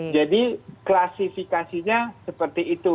jadi klasifikasinya seperti itu